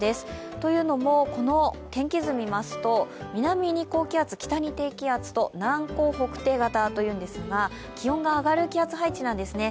というのもこの天気図を見ますと南に高気圧、北に低気圧と南高北低型というんですが気温が上がる気圧配置なんですね。